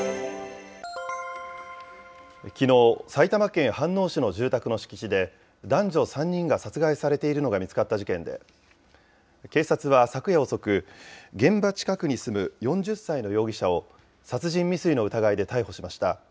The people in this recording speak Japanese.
きのう、埼玉県飯能市の住宅の敷地で、男女３人が殺害されているのが見つかった事件で、警察は昨夜遅く、現場近くに住む４０歳の容疑者を殺人未遂の疑いで逮捕しました。